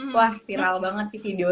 wah viral banget sih video